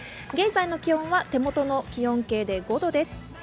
現在の気温は手元の気温計で５度です。